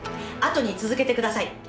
後に続けてください。